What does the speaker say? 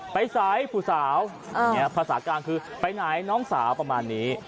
สายผู้สาวภาษากลางคือไปไหนน้องสาวประมาณนี้